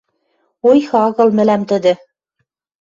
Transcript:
Ойхы агыл мӹлӓм тӹдӹ —